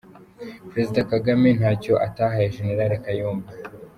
Perezida Kagame ntacyo atahaye Gen. Kayumba.